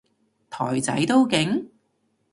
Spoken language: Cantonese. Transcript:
台仔都勁？